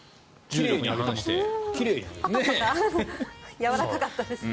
やわらかかったですね。